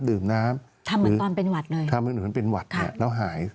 ดื่มน้ำทำเหมือนตอนเป็นหวัดเลยทำเหมือนเป็นหวัดเนี่ยแล้วหาย